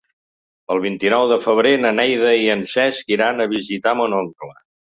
El vint-i-nou de febrer na Neida i en Cesc iran a visitar mon oncle.